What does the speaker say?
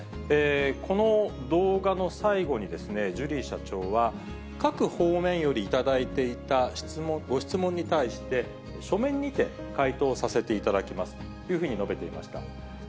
この動画の最後に、ジュリー社長は、各方面より頂いていたご質問に対して、書面にて回答させていただきますというふうに述べていました。